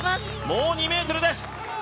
もう２ｍです。